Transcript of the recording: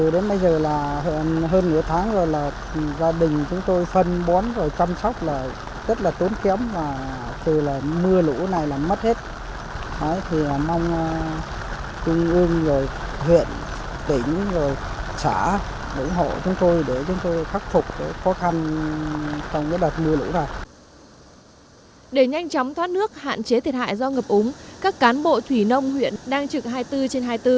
để nhanh chóng thoát nước hạn chế thiệt hại do ngập úng các cán bộ thủy nông huyện đang trực hai mươi bốn trên hai mươi bốn